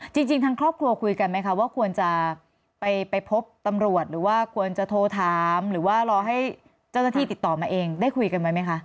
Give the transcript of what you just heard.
จริงทางครอบครัวคุยกันไหมคะว่าควรจะไปพบตำรวจหรือว่าควรจะโทรถามหรือว่ารอให้เจ้าหน้าที่ติดต่อมาเองได้คุยกันไว้ไหมคะ